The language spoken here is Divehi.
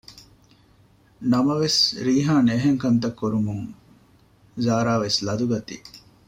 ނަމަވެސް ރީހާން އެހެންކަންތައް ކުރުމުން ޒާރާވެސް ލަދުަގަތީ